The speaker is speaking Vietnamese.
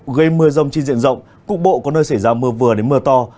gây mưa rông trên diện rộng cục bộ có nơi xảy ra mưa vừa đến mưa to